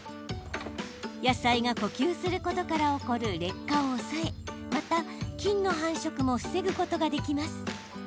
野菜が呼吸することから起こる劣化を抑えまた、菌の繁殖も防ぐことができます。